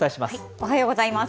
おはようございます。